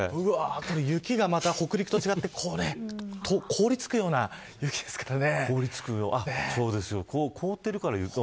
雪がまた北陸と違って凍りつくような雪ですからね。